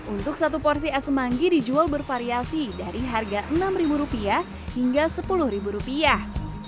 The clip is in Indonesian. untuk satu porsi es semanggi dijual bervariasi dari harga enam ribu rupiah hingga sepuluh ribu rupiah